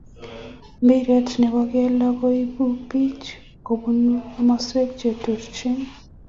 Mpiret ne bo kelto koibuu biik kobunu komoswek che terotin.